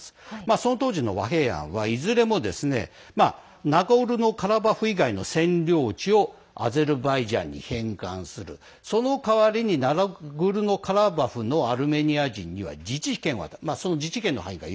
その当時の和平案はいずれもナゴルノカラバフ以外の占領地をアゼルバイジャンに返還する、その代わりにナゴルノカラバフのアルメニア人には自治権を与える。